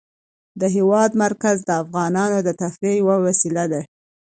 د هېواد مرکز د افغانانو د تفریح یوه وسیله ده.